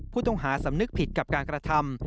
ผู้ต้องหาสำนึกผิดกับการกระทำ